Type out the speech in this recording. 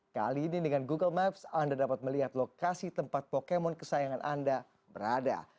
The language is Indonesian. kali ini dengan google maps anda dapat melihat lokasi tempat pokemon kesayangan anda berada